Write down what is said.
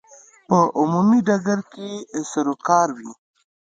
په عمومي ډګر کې یې سروکار وي.